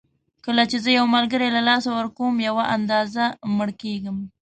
کله چې زه یو ملګری له لاسه ورکوم یوه اندازه مړ کېږم.